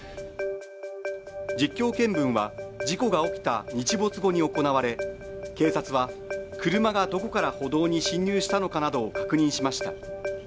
実況見分は事故が起きた日没後に行われ警察は、車がどこから歩道に進入したのかなどを確認しました。